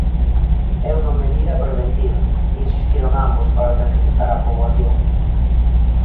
"É unha medida preventiva", insistiron ambos para tranquilizar á poboación.